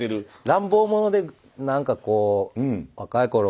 乱暴者で何かこう若い頃は。